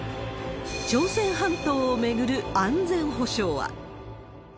朝鮮半島を巡る安全保障は。